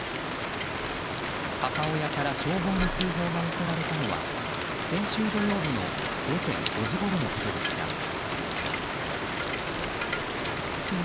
母親から消防に通報が寄せられたのは先週土曜日の午前５時ごろのことでした。